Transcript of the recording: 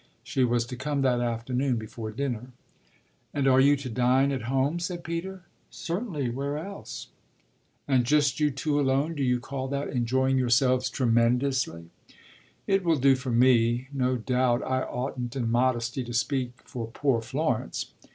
She was to come that afternoon before dinner. "And are you to dine at home?" said Peter. "Certainly; where else?" "And just you two alone? Do you call that enjoying yourselves tremendously?" "It will do for me. No doubt I oughtn't in modesty to speak for poor Florence."